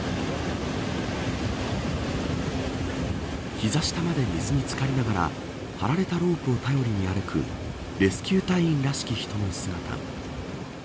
膝下まで水に漬かりながら張られたロープを頼りに歩くレスキュー隊員らしき人の姿が。